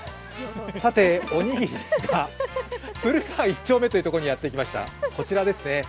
さて、おにぎりですが、古川１丁目というところにやってきました。